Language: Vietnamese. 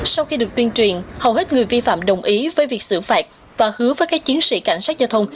sau khi được tuyên truyền hầu hết người vi phạm đồng ý với việc xử phạt và hứa với các chiến sĩ cảnh sát giao thông